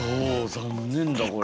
残念だこれは。